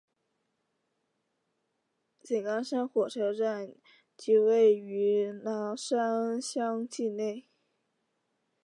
井冈山火车站即位于拿山乡境内。